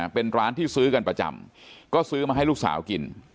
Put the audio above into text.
เป็นร้านที่ซื้อกันประจำก็ซื้อมาให้ลูกสาวกิน